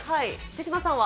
手嶋さんは？